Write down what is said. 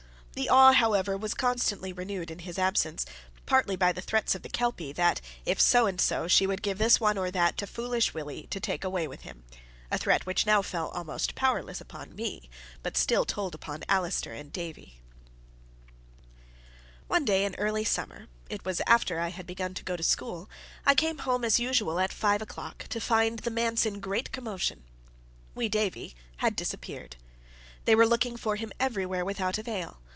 The awe, however, was constantly renewed in his absence, partly by the threats of the Kelpie, that, if so and so, she would give this one or that to Foolish Willie to take away with him a threat which now fell almost powerless upon me, but still told upon Allister and Davie. One day, in early summer it was after I had begun to go to school I came home as usual at five o'clock, to find the manse in great commotion. Wee Davie had disappeared. They were looking for him everywhere without avail.